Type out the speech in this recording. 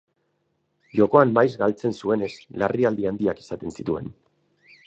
Jokoan maiz galtzen zuenez, larrialdi handiak izaten zituen.